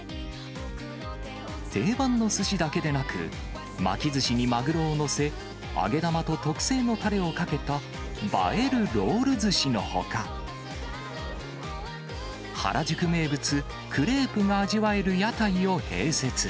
定番のすしだけでなく、巻きずしにマグロを載せ、揚げ玉と特製のたれをかけた映えるロールずしのほか、原宿名物、クレープが味わえる屋台を併設。